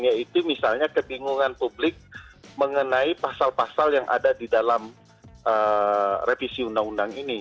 yaitu misalnya kebingungan publik mengenai pasal pasal yang ada di dalam revisi undang undang ini